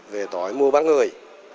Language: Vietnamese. về tội mua bán người